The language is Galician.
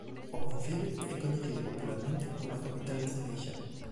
O concello é coñecido popularmente como "a capital da cereixa".